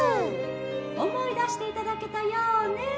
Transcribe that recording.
「おもいだしていただけたようね。